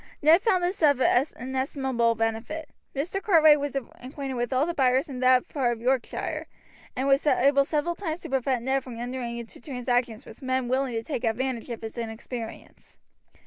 Ned found this of inestimable benefit. Mr. Cartwright was acquainted with all the buyers in that part of Yorkshire, and was able several times to prevent Ned from entering into transactions with men willing to take advantage of his inexperience.